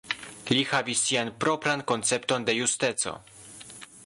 Li havis sian propran koncepton de justeco.